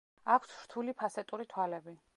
აქვთ რთული ფასეტური თვალები.